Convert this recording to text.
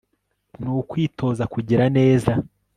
nukwitoza kugira neza